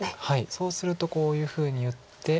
そうするとこういうふうに打って。